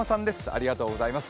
ありがとうございます。